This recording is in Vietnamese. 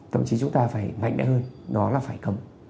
thậm chí chúng ta phải mạnh mẽ hơn nó là phải cầm